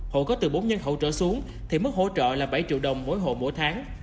hộ có từ bốn nhân khẩu trở xuống thì mức hỗ trợ là bảy triệu đồng mỗi hộ mỗi tháng